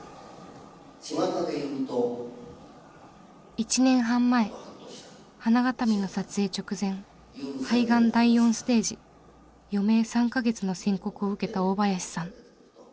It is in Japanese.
１年半前「花筐／ＨＡＮＡＧＡＴＡＭＩ」の撮影直前肺ガン第４ステージ余命３か月の宣告を受けた大林さん。